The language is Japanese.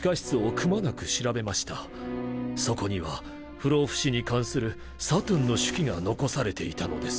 そこには不老不死に関するサトゥンの手記が残されていたのです。